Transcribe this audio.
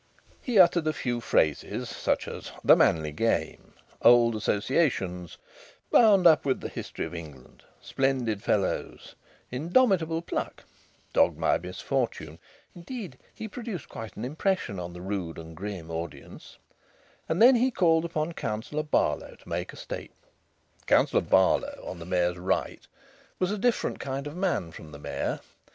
He uttered a few phrases, such as "the manly game," "old associations," "bound up with the history of England," "splendid fellows," "indomitable pluck," "dogged by misfortune" (indeed, he produced quite an impression on the rude and grim audience), and then he called upon Councillor Barlow to make a statement. Councillor Barlow, on the Mayor's right, was a different kind of man from the Mayor.